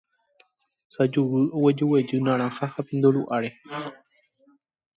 sajuguy oguejyguejy narãha ha pindo ru'ãre